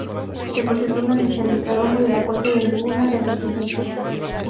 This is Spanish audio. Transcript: Se presentó una división de trabajo, de la cual se derivó una jerarquización.